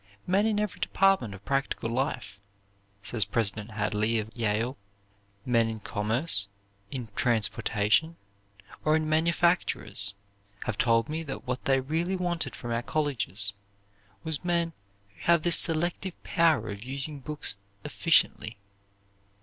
"Men in every department of practical life," says President Hadley of Yale, "men in commerce, in transportation, or in manufactures have told me that what they really wanted from our colleges was men who have this selective power of using books efficiently.